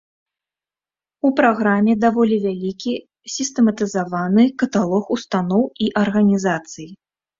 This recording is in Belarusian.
У праграме даволі вялікі сістэматызаваны каталог устаноў і арганізацый.